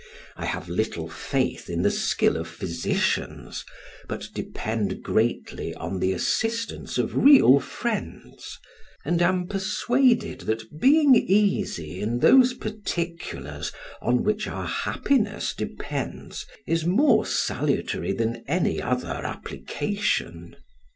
I have little faith in the skill of physicians, but depend greatly on the assistance of real friends, and am persuaded that being easy in those particulars on which our happiness depends, is more salutary than any other application.